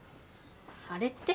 あれって？